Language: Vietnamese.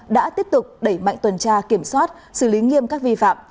đã tiếp tục đẩy mạnh tuần tra kiểm soát xử lý nghiêm các vi phạm